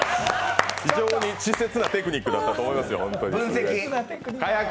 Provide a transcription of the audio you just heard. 非常に稚拙なテクニックだったと思いますよ。